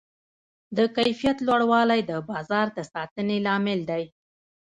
د کیفیت لوړوالی د بازار د ساتنې لامل دی.